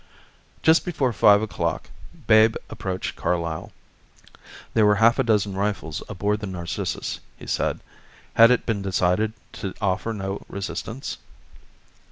Just before five o'clock Babe approached Carlyle. There were half a dozen rifles aboard the Narcissus he said. Had it been decided to offer no resistance?